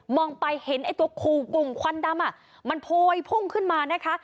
ไปเห็นไอ้ตัวคู่กลุ่มควันดำมันโพยพุ่งขึ้นมานะคะ